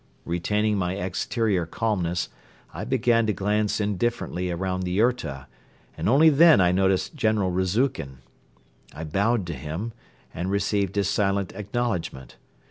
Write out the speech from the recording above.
Retaining my exterior calmness, I began to glance indifferently around the yurta, and only then I noticed General Rezukhin. I bowed to him and received his silent acknowledgment.